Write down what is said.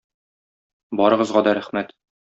Барыгызга да рәхмәт!